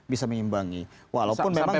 bisa mengimbangi walaupun memang